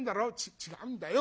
「ち違うんだよ。